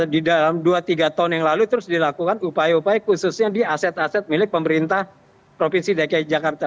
di dalam dua tiga tahun yang lalu terus dilakukan upaya upaya khususnya di aset aset milik pemerintah provinsi dki jakarta